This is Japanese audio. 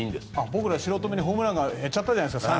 僕ら素人目にホームランが減っちゃったじゃないですか。